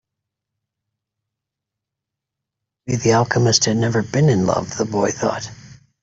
Maybe the alchemist has never been in love, the boy thought.